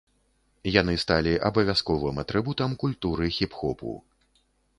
Яны сталі абавязковым атрыбутам культуры хіп-хопу.